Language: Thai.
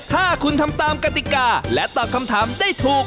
ถ้าคุณทำตามกติกาและตอบคำถามได้ถูก